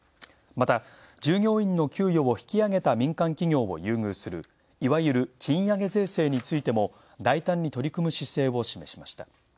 また、従業員の給与を引き上げた民間企業を優遇するいわゆる「賃上げ税制」についても大胆に取り組む姿勢を示しました。